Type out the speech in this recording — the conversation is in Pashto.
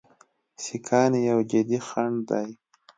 سیکهان یو جدي خنډ دی.